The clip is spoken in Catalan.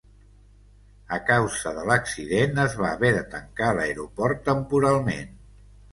A causa de l'accident es va haver de tancar l'aeroport temporalment